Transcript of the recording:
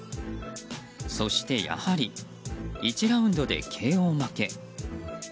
そして、やはり１ラウンドでＫＯ負け。